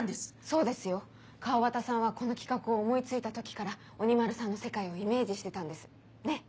そうですよ川端さんはこの企画を思い付いた時から鬼丸さんの世界をイメージしてたんですねっ。